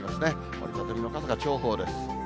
折り畳みの傘が重宝です。